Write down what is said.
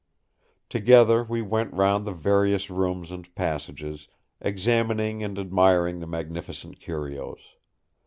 Together we went round the various rooms and passages, examining and admiring the magnificent curios.